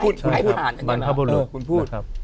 คุณพูดคุณพูด